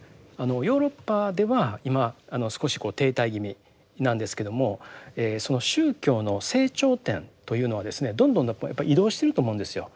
ヨーロッパでは今あの少しこう停滞気味なんですけどもその宗教の成長点というのはですねどんどんやっぱり移動してると思うんですよ。